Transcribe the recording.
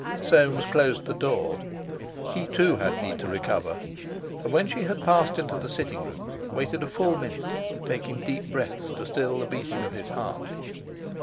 Soames closed the door. He, too, had need to recover, and when she had passed into the sitting room, waited a full minute, taking deep breaths to still the beating of his heart.